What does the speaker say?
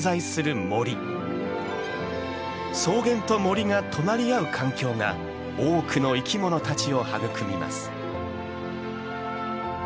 草原と森が隣り合う環境が多くの生きものたちを育みます。